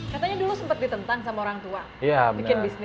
katanya dulu sempat ditentang sama orang tua bikin bisnis